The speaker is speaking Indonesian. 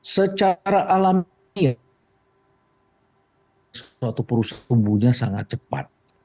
secara alami perusahaan tumbuhnya sangat cepat